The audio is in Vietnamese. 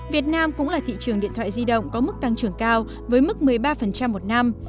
việt nam cũng là thị trường điện thoại di động có mức tăng trưởng cao với mức một mươi ba một năm